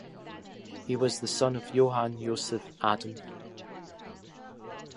He was the son of Johann Josef Adam.